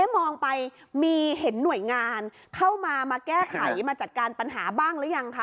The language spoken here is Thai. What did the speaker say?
มองไปมีเห็นหน่วยงานเข้ามามาแก้ไขมาจัดการปัญหาบ้างหรือยังคะ